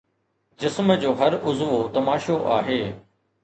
جسم جو هر عضوو تماشو آهي